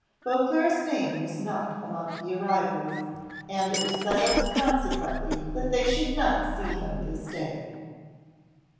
Beauclerc's name was not among the arrivals, and it was settled consequently that they should not see him this day.